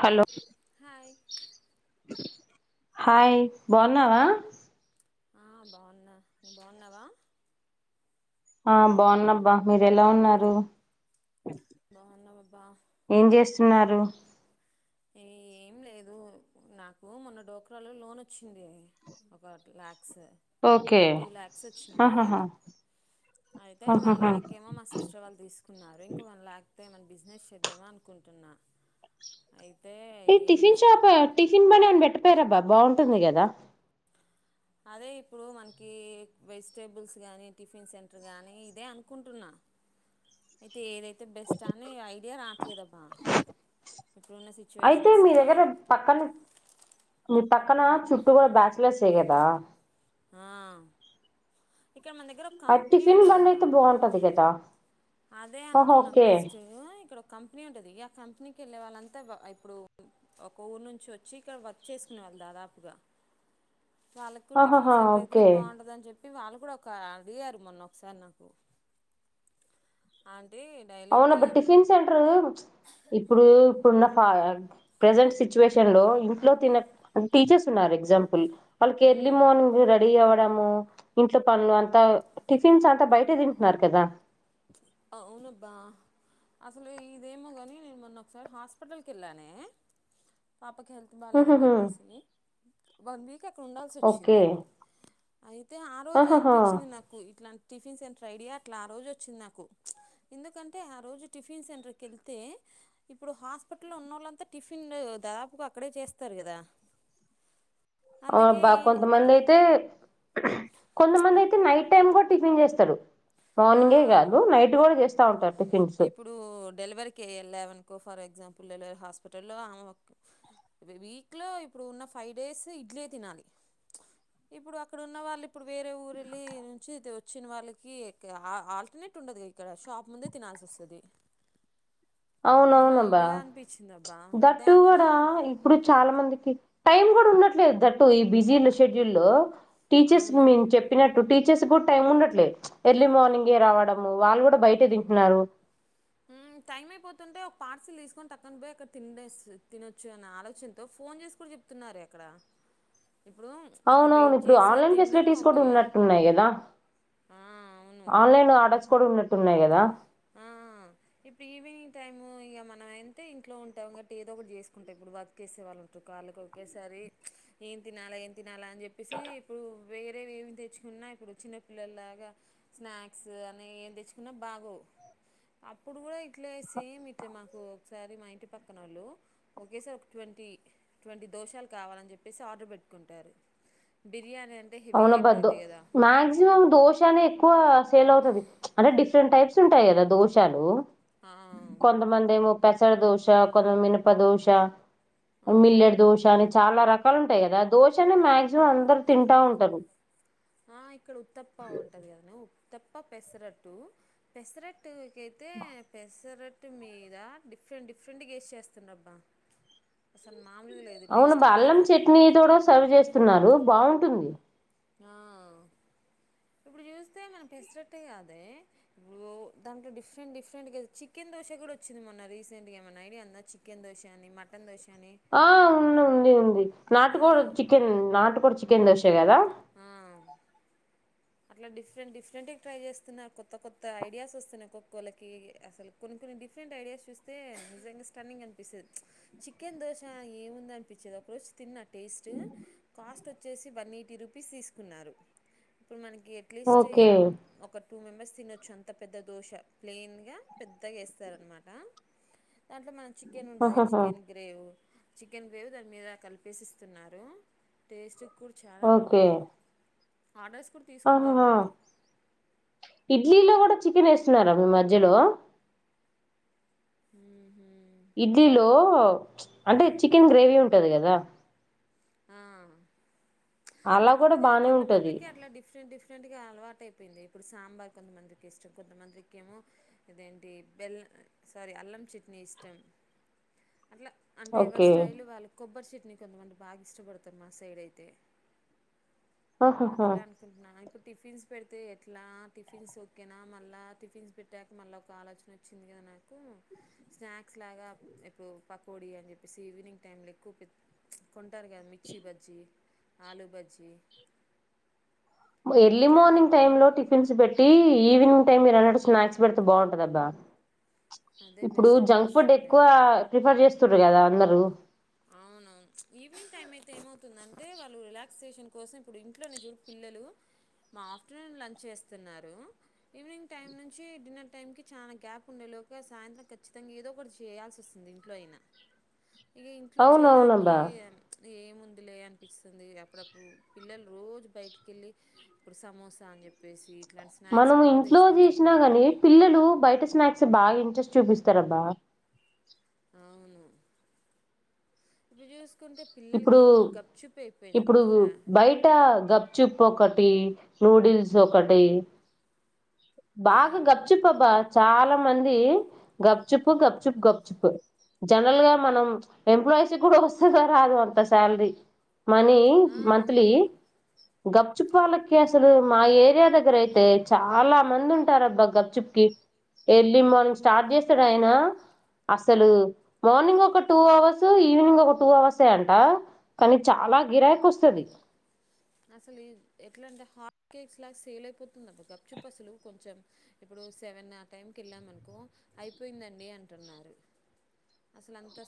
Hello hi hi బాన్నావా? ఆ బాగున్నా, నువ్ బాగున్నావా? ఆ బాగున్నబ్బా, మీరు ఎలా ఉన్నారు? బాగున్నావబ్బా ఏం చేస్తున్నారు? ఏం లేదు నాకు మొన్న డోకరాలో లోన్ వచ్చింది, ఒక ల్యాక్ క్స్ టూ లాక్స్ వచ్చింది, అయితే వన్ లాక్ ఏమో మా సిస్టర్ వాళ్ళు తీసుకున్నారు, ఇంకా వన్ లాక్ అతే ఏమన్న బిజినెస్ చేద్దామ అనుకుంటున్నా. ఏ టిఫిన్షాప టిఫిన్ బన్య బెట్ పేరబ్బా బాగుంటుంది కదా. అదే ఇప్పుడు మనకి వెజిటేబుల్స్ కానీ టిఫిన్ సెంటర్ కానీ ఇదే అనుకుంటున్నా, అయితే ఏదైతే బెస్ట్ అని ఐడియా రావట్లేదబ్బా. అయితే మీ దగ్గర పక్కన మీ పక్కన చుట్టగా బ్యాచులర్స్ ఏ కదా ఆ ఇక్కడ మన దగ్గర ఒక కంపెనీ ఉంటదబ్బా. అదే అనుకున్నా ఫస్ట్. ఇక్కడ ఒక కంపెనీ ఉంటది. ఆ కంపెనీకి వెళ్ళే వాళ్ళంతా ఇప్పుడు, ఒక ఊరు నుంచి వచ్చి ఇక్కడ వర్క్ చేసుకునే వాళ్ళు దాదాపుగా. వాళ్ళకు టిఫిన్ సెంటర్ అయితేనే బాగుంటదని చెప్పి చెప్పి వాళ్ళు కూడా ఒక అడియారు మొన్న ఒకసారి నాకు. ఆల్ అవున్నబ్బ టిఫిన్ సెంటరు, ప్చ్ ఇప్పుడు ఇప్పుడున్న ప ప్రజెంట్ సిచ్యువేషన్ లో ఇంట్లో తిన, టీచర్స్ ఉన్నారు ఎగ్జాంపుల్. వాళ్ళకి ఎర్లీ మార్నింగ్ రెడి అవా దము ఇంట్లో పనులు అంతా టిఫిన్స్ అంతా బయటే తింటున్నారు కదా. అవునబ్బా అసలు ఇదేమో గ, నేను మొన్న ఒకసారి హాస్పిటల్కి వెళ్ళానే. పాపకి హెల్త్ బాలేదని చెప్పేసి, వన్ వీక్ అక్కడ ఉండాల్సి వచ్చింది. అయితే ఆ రోజే అనిపించింది, నాకు ఇట్లాంటి టిఫన్స్ సెంట్రైడియా అట్లా రోజు వచ్ వచ్చింది నా ఎందుకంటే, ఆ రోజు టిఫిన్ సెంటర్కి ఎళ్తే ఇప్పుడు హాస్పిటల్లో ఉన్నవాళ్ళంతా టిఫిన్ దాదాపుగా అక్కడే చేస్తారు కదా. అవుబ్బ కొంతమందయితే కొంత మంది అయితే నైట్ టైమ్ గుడ్ టిఫిన్ చేస్తడు. మార్నింగే కాదు, నైట్ కూడా చేస్ ఉంటరు ఇప్పుడు డెలివరకి ఏళ్ళవనుకో ఫర్ ఎగ్జాంపుల్ పిల్లల హాస్పిటల్లో ఆమె వీక్లో ఇప్పుడు ఉన్న ఫైవ్ డేస్ ఇడ్లీ తినాలి ఇప్పుడు అక్కడ ఉన్న వాళ్ళు ఇప్పుడు వేరే ఊరెల్లి నుంచి ఇదో వచ్చిన వాళ్ళకి ఆ ఆల్టర్నేట్ ఉండదుగా ఇక్కడ షాప్ ముందే తినాల్సొస్తది అవునవునబ్బా దట్టు ఆడా ఇప్పుడు చాలా మందికి టైం కూడా ఉన్నట్లేదు దట్టు ఈ బిజీ ఉ షెడ్యూల్ లో టీచర్స్ మీమ్ చెప్పినట్ టీచర్స్ కూడా టైమ్ ఉండట్లే ఎర్లీ మార్నింగ్ ఏ రావడము వాళ్ళు కూడా బయటే తింటున్నారు హు టైం అయిపోతుంటే ఒక పార్సిల్ తీసుకొని టక్కుక్క పోయి అక్కడ తేనెస్ తినొచ్చు అనే ఆలోచనతో ఫోన్ చేసి కూడా చెప్తున్నారే అక్కడ అవునవును ఇప్పుడు ఆన్లైన్ ఫెసిలిటీస్ కూడా ఉన్నట్టు ఉన్నాయి కదా ఆన్లైన్ ఆర్డర్స్ కూడా ఉన్నట్ టున్నాయి కదా హు ఇప్పుడు ఈవినింగ్ టైము ఇగ మనం అయితే ఇంట్లో ఉంటాం కబట్టి ఏదో ఒకటి చేసుకుంటాం ఇప్పుడు వర్క్ వేసే వాళ్ళు ఉంటారు కాళ్ళకి ఒకేసారి ఏం తినాలా ఏం తినాలా అని చెప్పేసి ఇప్పుడు వేరే ఏమి తెచ్చుకున్నా ఇప్పుడు చిన్నపిిల్లలలాగా స్నాక్స్ అనీ ఏం తెచ్చుకున్నా బాగోవ్ అప్పుడు కూడా ఇట్లే సేమ్ ఇట్లే మాకు ఒకసారి మా ఇంటి పక్కన ఓళ్ళు ఒకేసారి ఒక ట్వంటీ ట్వంటీ దోషాలు కావాలని చెప్పేసి ఆర్డర్ పెట్టుకుంటారు బిర్యానీన్ అవునబ్బ దో మాక్సిమం దోషానే ఎక్కువ సేల్ అవుతది అంటే డిఫరెంట్ టైప్స్ ఉంటాయి కదా దోషాలు కొంతమందేమే పేస్ సర్ దోశ కొంత మినప దోశ మిల్లడ్ దోషాని చాలా రక కాలు ఉంటాయి కదా దోశానే మాక్సిమం అందరు తింటా ఉం టరు ఆ ఇక్కడ ఉత్తప్పా ఉంటది కదా ను్ ఉత్తప్ప పెసరట్టు పెసరట్ టుకైతే పెసర ట్ మీద డిఫరెంట్ డిఫరెంట్ గేస్ చేస్తుండ్రబ్బా అవును బెల్లం చట్నీ తో సర్వ్ చేస్తున్నారు బాగుం టుంది ఆ ఇప్పుడు చూస్తే మన పెసటట్టే కాదే ఇప్పుడు దాంట్లో డిఫరెంట్ డిఫరెంట్గా చికెన్ దోశ కూడా వచ్చింది మొన్న రీసెంట్గా ఏమైన్నా ఐడియా అందా చికెన్ దోశ అని మటన్ దోశ ఆ ఉంది ఉంది ఉంది నాటుకోడ్ చికెన్ నాటుకోడి చి కేన్ దోష కదా అట్లా డిఫరెంట్ డిఫరెంట్గా ట్రై చేస్తున్నారు కొత్త కొత్త ఐడియాస్ వస్తున్నాయి ఒక్కోళ్ళకి అసలు కొన్ని కొన్ని డిఫరెంట్ ఐడియాస్ చూస్తే నిజంగా స్టన్నింగ్ అనిపిస్తది చికెన్ దోశ ఏముంది అనిపించేది ఒకరోజు తిన్నా టేస్ట్ కాస్ట్ వచ్చేసి వన్ ఏయిటీ పీస్ తీసుకున్నారు ఇప్పుడు మన కేట్లీస్ట్ ఎన్ ఒక టూ మెంబర్స్ తినొచ్చు అంత పెద్ద దోశ ప్లెయిన్ గా పెద్దగా ఎస్తారన్నమాట దాంట్లో మనం చికెన్ ఉండదిగ చికెన్ గ్రేవ్ చికెన్ గ్రేవ్ దాని మీద కలిపేసి ఇస్తున్నారు టేస్ట్ కూడా చా ఓకే ఆర్డర్స్ కూడా తీసుకుంటారు వాళ్ళు ఇడ్లీలో కూడా చికెన్ వేస్తున్నారా మీ మధ్యలో హ ఇడ్లీలో అంటే చికెన్ గ్రేవీ ఉంటది కదా ఆ అంటే కొంత కొంతమందికి అట్లా డిఫరెంట్ డిఫె అఫెంట్గా అలవాటు అయిపోయింది ఇప్పుడు సాంబార్ కొంతమందికి ఇష్టం కొంతమందికి ఏమో ఇదేంటి బెల్ల సారీ అల్లం చట్నీ ఇష్టం అట్లా అంటే ఎవరి స్టైల్ వాళ్ళు కొబ్బరిట్ డి బాగా ఇష్టపడతమ్ మా సైడ్ అయితే అట్లే అనుకుంటున్నా ఇప్పుడు టిఫిన్స్ పెడితే ఎట్లా టిఫిన్స్ ఓకేనా మళ్ళా టిఫిన్స్ పెట్టాక మళ్ళీ ఒక ఆలోచన వచ్చింది కదా నాకు స్నాక్స్ లాగా ఇప్పుడు పకోడి అని చెప్పేసి ఈవినింగ్ టైలు ఎక్కువ కొంటారు కదా mirchi bajji aloo bajji early morning time లో టిఫిన్స్ పెట్టి ఈవినింగ్ టైమ్ మీరు అన్నట్టు స్నాక్స్ పెడితే బాగుంటందబ్ ఇప్పుడు జంక్ ఫుడ్ ఎక్కువ ప్రిఫర్ చేస్త డు కదా అందరుూ అవునవును ఈవినింగ్ టైం అయితే ఏమవుతుందంటే వాళ్ళు రిలాక్సేషన్ కోసం ఇప్పుడు ఇంట్లోనే చూడు పిల్లలు మా ఆఫ్టర్నూన్ లంచ్ వస్తున్నారు ఈవినింగ్ టైం నుంచి డిన్నర్ టైంకి చాలా గ్యాప్ ఉండే లోక సాయంత్రం ఖచ్చితంగా ఏదో ఒక చేయాల్సి వస్తుంది ఇంట్లో అయినా ఇట్లో చేయడానికి ఏముంది లే అనిపిస్తుంది అప్పుడప్పుడు పిల్లలు రోజు బయటిక వెళ్ళలి ఇప్పుడు సమోసా అని చెప్పేసి మనం ఇంట్లో చేసినా ని పిల్లలు బయట స్నాక్స్ బాగా ఇంట్రెస్ట్ చూపిస్తారబ్బా అవును ఇ జ ఇప్పుడు ఇప్పుడు బయట గప్ చూప్పుకట్ టి నూడిల్స్ ఒకటి బాగా గప్చిప్పబా చాలా మంది గప్చుప్పు గప్చుప్పు గప్చుప్పు జనరల్ గా మనం ఎంప్లాయీస్ కూడా వస్త కా అదు అంత సాలరి మనీ మంతంత్లీ గప్చిప్ వాళ్ళకి అసలు మా ఏరియా దగ్గర అయితే చాలా మంది ఉంటారు అబ్బా గప్చిప్కి ఎర్లీ మార్నింగ్ స్టార్ట్ చేస్త అసలు మార్నింగ్ ఒక టూ అవర్స్ ఈవినింగ్ ఒక టూ అవర్స్ వస్తాంట కానీ చాలా గిరాయిక వస్తుంది అసలు ఎట్లా అంటే హాట్ కేక్స్ లాగా సేల్ అయిపోతుందిబ గప్చూప్ అసలు కొంచెం ఇప్పుడు సెవెన్ ఆ టైంకి వెళ్ళామనుకో అయిపోయిందండి అంటున్నారు అసలు అంత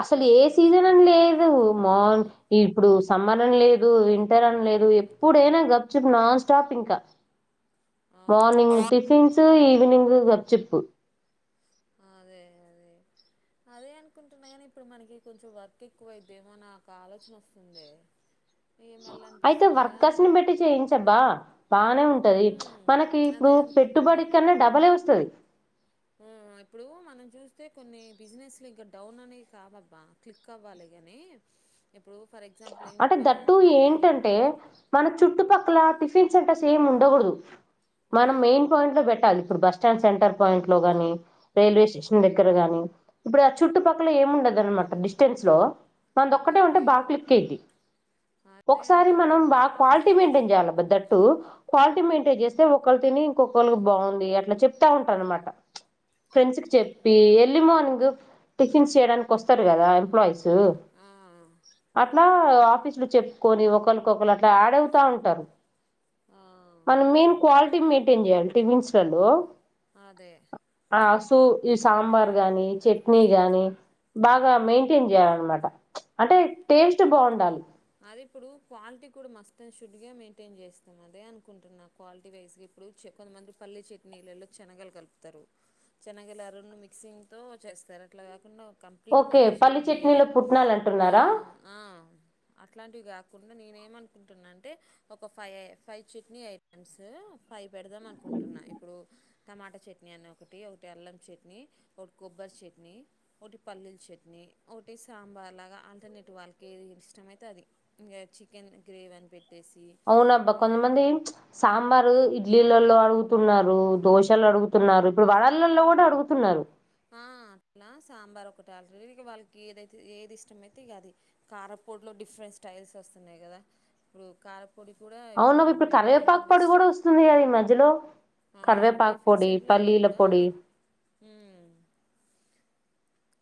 అసలు ఏ సీజన్ అని లేదు మన్ ఇప్పుడు సమ్మర్ అని లేదు వింటర్ అని లేదు ఎప్పుడైనా గప్ చుప్ నాన్ స్టాప్ ఇంకా morning tiffins morning to evening గర్చ్చిపు అదే అదే అదే అనుకుంటున్నా కానీ ఇప్పుడు మనకి కొంచెం వర్క్ ఎక్కువైద్దేమో నా ఒక ఆలోచన వస్తుందే అయితే వర్కస్ ని బట్టి చేయించబ్బా బానే ఉంటది మనకి ఇప్పుడు పెట్టుబడి కన్నా డబలే వస్తుది ఆ ఇప్పుడు మనం చూస్తే కొన్ని బిజినెస్లు ఇంకా డౌన్ అనే కావబ్బా క్లిక్ అవ్వాలి ని అంటే దట్టు ఏంటంటే మన చుట్టు పక్కల టిఫిన్ సెంటర్ సేమ్ ఉండకూడదు మనం మెయిన్ పాయింట్ లో పెట్టాలి ఇప్పుడు బస్ స్టాండ్ సెంటర్ పాయింట్ లో గాని రైల్వే స్టేషన్ దగ్గర గాని ఇప్పుడు ఆ చుట్టుపక్కల ఏమిండదునమాట డిస్టెన్స్ లో మందొక్కటే ఉంటే బాక్లి ది ఒకసారి మనం బాగా క్వాలిటీ మెయింటైన్ చేయాలి బద్దట్ క్వాలిటీ మెయింటైన్ చేస్తే ఒకళ్రు తిని ఇంకొకరికి బాగుంది అట్లా చెప్తా ఉంటారు అనమాట ఫ్రెండ్స్ కి చెప్పి ఎర్లీ మార్నింగ్ టిఫిన్స్ చేయడానికి వస్తారు కదా ఎంప్లాయస్ అట్లా ఆఫీసులు చెప్పుకొని ఒకరికొళ్రు అట్లా ఆడవుతా ఉంటారు మనం మెయిన్ క్వాలిటీ మీ ఏం చేయాలి టిఫిన్స్ లలో ఆ సూ సాంబార్ గాని చట్నీ గాని బాగా మెయి ఏం చేయాలన్నమాట అంటే టేస్ట్ బాగుండాలి అది ఇప్పుడు క్వాలిటీ కూడా మస్ అండ్ షుడ్గా మెయింటైన్ చేస్తాం అదే అనుకుంటున్నా క్వాలిటీ వైజ్గా ఇప్పుడు కొంతమంది పల్లీ చట్నీలలో శనగలు కలుపుతారు శనగల అరుు మిక్సింగ్తో చేస్తారు అట్లా కాకుండా కంప్లీీట్ పల్లి చట్నీ అట్లాంటివి కాకుండా నేనే ఏమనుకుంటున్నా అంటే ఒక five five chutney items five పెడదాం అనుకుంటున్నాను ఇప్పుడు టమాటా చట్నీ అని ఒకటి ఒకటి అల్లం చట్నీ ఒకటి కొబ్బరి చట్నీ ఒకటి పల్లీల చట్నీ ఒకటి సాంబార్లాగా ఆల్టర్నేటి్ వాళ్ళకి ఏ ఇష్టమైతే ది ఇంకా చికెన్ గ్రేవీ అని పెట్టి అవునబ్బా కొంత మంది సాంబారు ఇ ఇడ్లీలలో అడుగుతున్నారు దోశలు అడుగుతున్నారు ఇప్పుడు వడలలో కూడా అడుగుతున్నారు ఆ అట్లా సాంబార్ ఒకటి అ ఇక వాళ్ళకి ఏదైతే ఏది ఇష్టమ అయితే ఇక అది కారపూడిలో డిఫరెంట్ స్టైల్స్ వస్తున్నాయి కదా ఇప్పుడు కార అవున ఇప్పుడు కరివేపాకు పొడి కూడా వస్తుంది కదా ఈ మధ్యలో ఆ టిఫిన్ సెంటర్లలో హ్మ్మ్ కూడా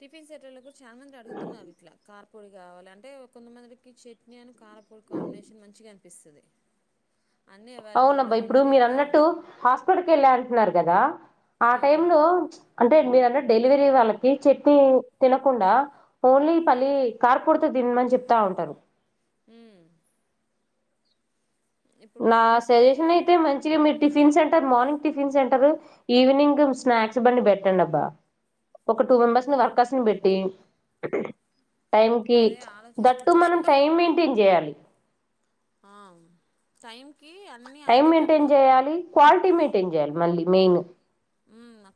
టిఫన్ెంటర్లలకు చాలామంది అడుగుతున్నారు ఇట్లా పొడి కావాలి అంటే కొంతమందికి చట్నీ అని కారపూలు కాంబినేషన్ మంచిగా పిిస్తుంది అవున అబ్బా ఇప్పుడు మీరు అన్నట్టు హాస్పిటల్కి వెళ్ళ అంటున్నారు కదా ఆ టైమ్ లో అంటే ఎనిమిది డెలివరీ వాళ్ళకి చట్నీ తినకుండా ఓన్లీ పళ్లి కరపోడి తో తిినమని చెప్తా ఉంటారు హ్మ్మ్ నా సజెషన్ అయితే మంచిగా మిట్ tiffin center morning tiffin center evening snacks బండి పెట్టండబ్బా ఒక టూ మెంబెర్స్ ని వర్కర్స్ ని పెట్టి టైం కి దట్టు మనం టైం మెయింటైన్ చేయాలి హ్మ్మ్ టైం టైం మెయింటైన్ చేయాలి క్వాలిటీ మెయింటైన్ చేయాలి మళ్ళీ మెయిన్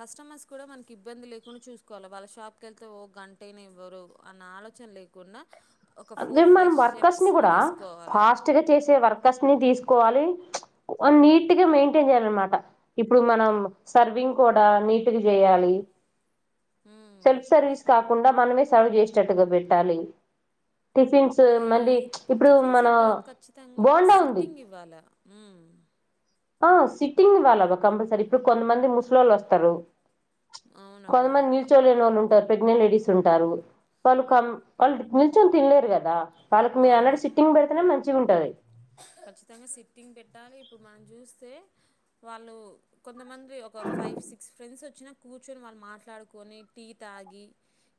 కస్టమర్స్ కూడా మనకి ఇబ్బంది లేకుండా చూసుకోవాలి వాళ్ళ షాప్కి వెళ్తే ఓ గంటనా ఇవ్వరు అన్న ఆలోచన లేకుండా అే మనం వర్కర్స్ ని కూడా ఫాస్ట్ గా చేసే వర్కర్స్ తీసుకోవాలి నీట్గా మెయింటైన్ చేయాలినమాట ఇప్పుడు మనం సర్వింగ్ కూడా నీట్గా చేయాలి సెల్ఫ్ సర్వీస్ కాకుండా మనమే సాగు చేసేట్టుగా పెట్టాలి మళ్ళీ ఈ టిఫిన్ సెంటర్ లో ఖచ్చితంగా సిట్టింగ్ ఇవ్వాల ఆ సిట్టింగ్ ఇ వల్లబ్బ కంపల్సరీ ఇప్పుడు కొంతమంది ముసలి వాళ్ళు వస్తారు కొంతమంది నిీల్చోలేని వాళ్ళు ఉంటారు ప్రగ్నెంట్ లేడీస్ ఉంటారు వాళ్ళు క వాళ్ళు నిల్చొని తినలేరు కదా వాళ్ళకి మీ అడ సిట్టింగ్ పెడితే మంచి మంచిగా ఉంటుది ఖచ్చితంగా సిట్టింగ్ పెట్టాలి ఇప్పుడు మనం చూస్తే వాళ్ళు కొంతమంది ఒక ఫైవ్ సిక్స్ ఫ్రెండ్స్ వచ్చినా కూర్చొని వాళ్ళు మాట్లాడుకొని టీ తాగి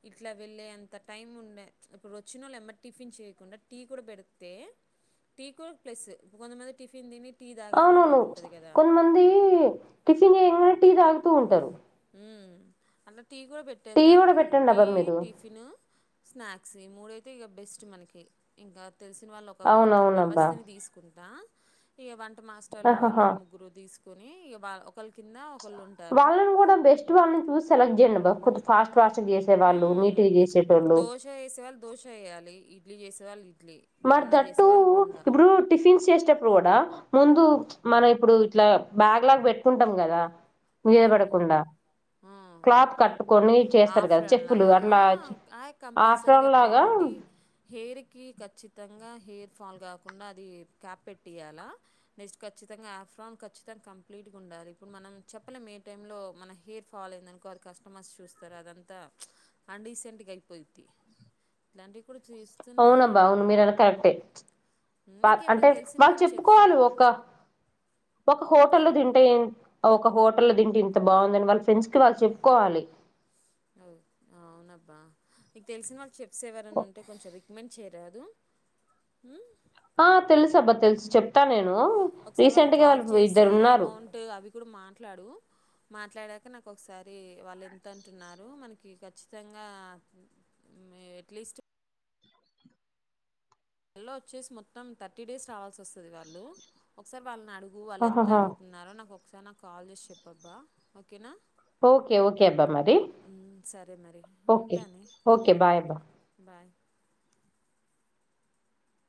ఇట్లా వెళ్ళే అంత టైం ఉండే ఇప్పుడు వచ్చిన వాళ్ళు ఏమ్మ టిఫిన్ చేయకుండా టీ కూడా పెడితే టీీక్ ప్లస్ ఇ కొంతమ టిఫన్ తిని అవునవును కొంతమంది టిఫిన్ టీ తాగుతూ ఉంటారు హ్మ్మ్ అన టీ కూడా పెట్టేద్దాం టీ టిఫిన్ స్నాక్స్ ఈ మూడు కొతిగా బెస్ట్ మనకి ఇంకా తెలిసిన వాళ్ళు ఒక త్రీ మెంబర్స్ని తీసుకుంటా ఇక వంట మాస్టర్లు వాళ్ళు ఒక ముగ్గురు తీసుకు ని వాళ ఒకళ కింద వాళ్ళన్ కూడా బెస్ట్ వాళ్ళని చూసి సెలెక్ట్ చేయండబ్బా కొంచం ఫాస్ట్ ఫాస్ట్గ చేసే వాళ్ళు నీటిగా చేసేటోళ్ళు ఇడ్లీ చేసే వాళ్ళు మరి దట్టూ ఇప్పుడు టిఫిన్స్ చేస్ ప్పుడు కూడా ముందు మనం ఇప్పుడు ఇట్లా బ్యాగ్ లాగ పెట్టుకుంటాం కదా అవును ఆ ఆఫ్రన్ లాగా ఆ కంపల్సరీగా క్వాలిటీ హెయిర్ కి ఖచ్చిత ఖచ్చితంగా హెయిర్ ఫాల్ కాకుండా అది క్యాప్ పెటీయాలా నెక్స్ట్ ఖచ్చితంగా ఆఫ్రాన్ ఖచ్చితంగా కంప్లీట్గా ఉండాలి ఇప్పుడు మనం చెప్పలేం ఏ టైంలో మన హెయిర్ ఫాల్ అయిందనుకో అది కస్టమర్స్ చూస్తారు అదంతా అన్డీసెంట్గా అయిపోయిద్ది ఇలాంటివి అవునబ్బా అవును మీరన్నది కరెక్టే అంటే వాళ్ళు చెప్పుకోవాలి ఒక ఒక హోటలో తింటే ఒక హోటల్లో తింటే ఇంత బాగుందని వాళ్ళ ఫ్రెండ్స్ కి వాళ్ళు చెప్పుకోవాలి ఆ అవునబ్బా నీకు తెలిసిన వాళ్ళు చెప్ సేవరన ఉంటే కొంచెం రి కమెండ్ చేయరాదు మ్ ఆ తెలుసు అబ్బా తెలుసు చెప్తా నేను ఒకసారి వాళ్ళకి కాల్ చేసి అమౌంట్ అవి కూడా మాట్లాడు మాట్లాడాక నాకు ఒకసారి వాళ్ళు ఎంత అంటున్నారు మనకి ఖచ్చితంగా ఎట్లీస్ట్ లో వచ్చేసి మొత్తం థర్టీ డేస్ రావాల్సి వస్తది వాళ్ళు ఒకసారి వాళ్ళని అడుగు వాళ్ళ ఎంత అడుగుతున్నారో నాకు ఒ ఒకసారి నాకు కాల్ చేసి చెప్పబ్బా ఓకేనా సరే మరి ఉంటానే బాయ్